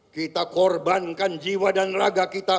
kita korbankan jiwa dan raga kita